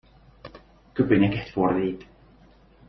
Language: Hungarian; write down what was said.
Köpönyeget fordít.